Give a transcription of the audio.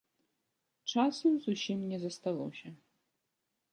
Часу зусім не засталося.